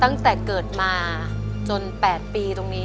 ตั้งแต่เกิดมาจน๘ปีตรงนี้